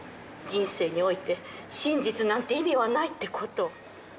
人生において真実なんて意味はないってことを。